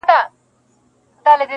له بې هنرو ګوتو پورته سي بې سوره نغمې-